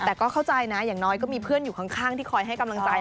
แต่ก็เข้าใจนะอย่างน้อยก็มีเพื่อนอยู่ข้างที่คอยให้กำลังใจ